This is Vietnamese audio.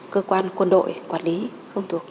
cơ quan quân đội quản lý không thuộc